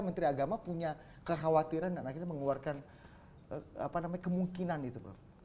menteri agama punya kekhawatiran anak kita mengeluarkan kemungkinan itu